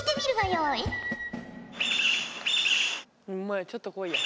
ホンマや「ちょっと来い」や。